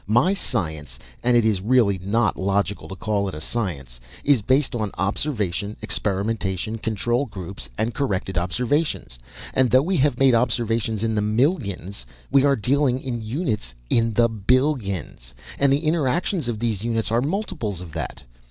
My science and it is really not logical to call it a science is based on observation, experimentation, control groups and corrected observations. And though we have made observations in the millions, we are dealing in units in the billions, and the interactions of these units are multiples of that.